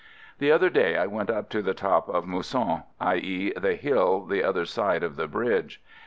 The other day I went up to the top of Mousson — i.e., the hill the other side of the bridge.